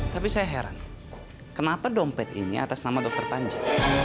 tapi saya heran kenapa dompet ini atas nama dokter panjang